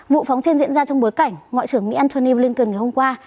vụ phóng trên diễn ra trong bối cảnh ngoại trưởng mỹ antony blinken ngày hôm qua